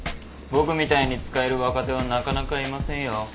僕みたいに使える若手はなかなかいませんよ。